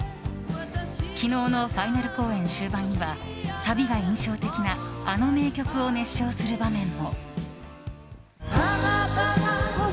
昨日のファイナル公演終盤にはサビが印象的な、あの名曲を熱唱する場面も。